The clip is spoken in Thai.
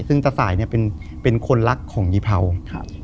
ซึ่งตาสายเป็นคนรักของยิพาว